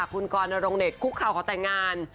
คุณกรนโรงเน็ตคุกข่าวของแต่งงาน